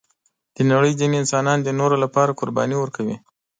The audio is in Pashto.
د نړۍ ځینې انسانان د نورو لپاره قرباني ورکوي.